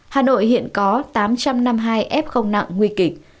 hà nội hiện có tám trăm năm mươi hai f nặng nguy kịch